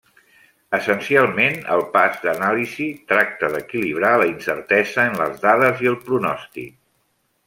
Essencialment el pas d'anàlisi tracta d'equilibrar la incertesa en les dades i el pronòstic.